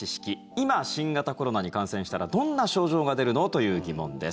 今、新型コロナに感染したらどんな症状が出るの？という疑問です。